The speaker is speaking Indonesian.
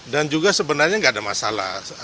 dan juga sebenarnya tidak ada masalah